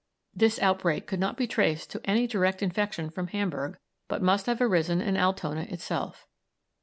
This outbreak could not be traced to any direct infection from Hamburg, but must have arisen in Altona itself.